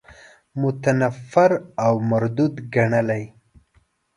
متنفر او مردود ګڼلی.